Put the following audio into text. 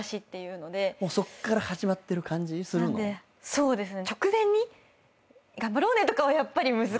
そうですね。